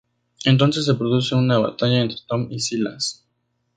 Entonces se produce una batalla entre Tom y Silas.